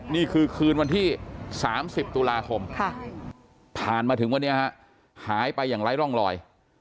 นี่คือคืนวันที่๓๐ตุลาคมผ่านมาถึงวันนี้ฮะหายไปอย่างไร้ร่องรอย